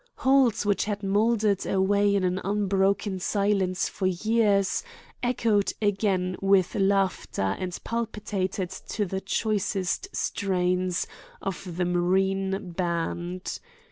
"Halls which had moldered away in an unbroken silence for years echoed again with laughter and palpitated to the choicest strains of the Marine Band.